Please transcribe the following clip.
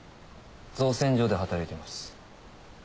造船所で働いてます。